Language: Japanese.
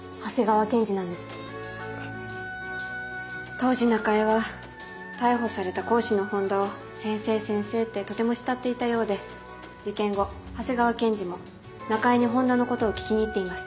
当時中江は逮捕された講師の本田を先生先生ってとても慕っていたようで事件後長谷川検事も中江に本田のことを聞きに行っています。